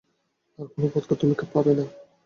আর কোনো ভদকা তুমি পাবে না।